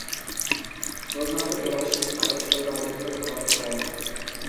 প্রধানতঃ এরা শীতকালে শৈবালজাতীয় খাবার খায়।